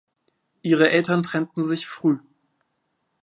Ihre Eltern trennten sich früh.